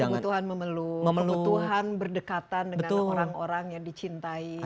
kebutuhan memeluk kebutuhan berdekatan dengan orang orang yang dicintai